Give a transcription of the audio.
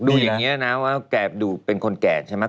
ดูอย่างนี้นะว่าแกดูเป็นคนแก่ใช่ไหม